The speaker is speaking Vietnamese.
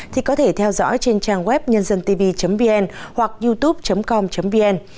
thì có thể theo dõi trên trang web nhândântv vn hoặc youtube com vn